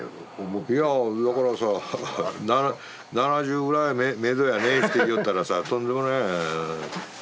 いやだからさ７０ぐらいめどやねって言いよったらさとんでもない。